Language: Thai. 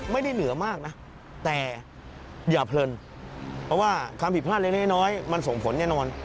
เหนือมากนะแต่อย่าเพลินเพราะว่าความผิดพลาดเล็กน้อยมันส่งผลแน่นอน